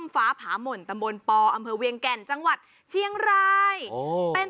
สุดยอดน้ำมันเครื่องจากญี่ปุ่น